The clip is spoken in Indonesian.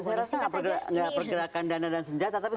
saya rasa nggak pergerakan dana dan senjata